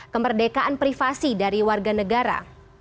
kemerdekaan privasi dari warga negara